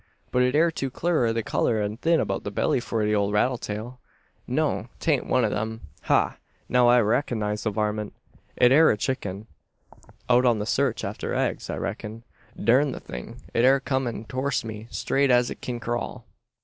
But it air too clur i' the colour, an thin about the belly, for ole rattle tail! No; 'tain't one o' them. Hah now I ree cog nise the varmint! It air a chicken, out on the sarch arter eggs, I reck'n! Durn the thing! it air comin' torst me, straight as it kin crawl!"